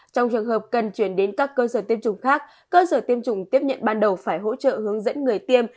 trong trường hợp cần chuyển đến các cơ sở tiêm chủng khác cơ sở tiêm chủng tiếp nhận ban đầu phải hỗ trợ hướng dẫn người tiêm